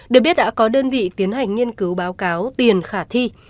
được biết đã có đơn vị tiến hành nghiên cứu báo cáo tiền khả thi